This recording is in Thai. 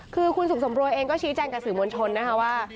คือคุณสุขสำรวยเองก็ชี้แจงกับสื่อมวลชนนะคะว่า